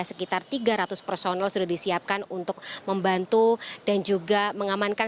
sekitar tiga ratus personel sudah disiapkan untuk membantu dan juga mengamankan